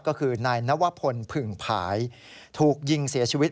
ก็คือนายนวพลผึ่งผายถูกยิงเสียชีวิต